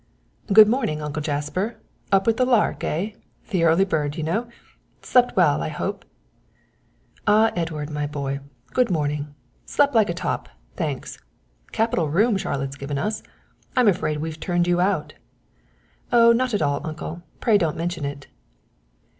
"Good morning, Uncle Jasper; up with the lark, eh! the early bird, you know. Slept well, I hope?" "Ah, Edward, my boy, good morning slept like a top, thanks; capital room Charlotte's given us. I'm afraid we've turned you out." "Oh not at all, uncle, pray don't mention it."